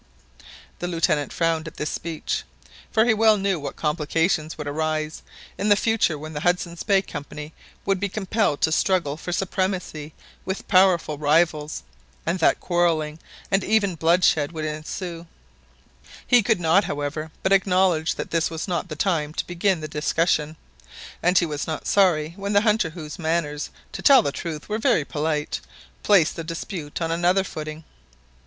The Lieutenant frowned at this speech, for he well knew what complications would arise in the future when the Hudson's Bay Company would be compelled to struggle for supremacy with powerful rivals, and that quarrelling and even bloodshed would ensue; he could not, however, but acknowledge that this was not the time to begin the discussion, and he was not sorry when the hunter, whose manners, to tell the truth, were very polite, placed the dispute on another footing.